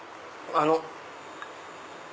あの。